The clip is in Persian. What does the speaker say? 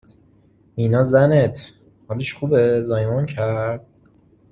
مینا زنت، حالش خوبه؟ زایمان کرد؟